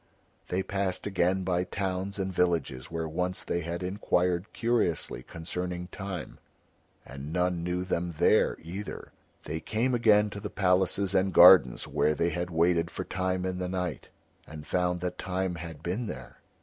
They passed again by towns and villages where once they had inquired curiously concerning Time, and none knew them there either. They came again to the palaces and gardens where they had waited for Time in the night, and found that Time had been there.